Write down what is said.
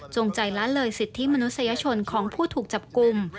ใจละเลยสิทธิมนุษยชนของผู้ถูกจับกลุ่ม